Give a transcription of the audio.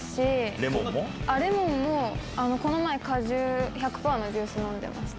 レモンもこの前、果汁１００％のジュース飲んでました。